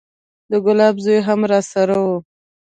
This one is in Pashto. د ګلاب زوى هم راسره و.